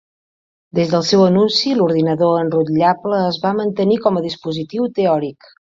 Des del seu anunci, l'ordinador enrotllable es va mantenir com a dispositiu teòric.